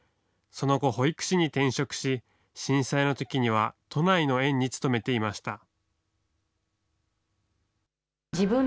その後、保育士に転職し、震災のときには都内の園に勤めていました。